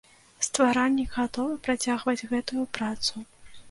Стваральнік гатовы працягваць гэтую працу.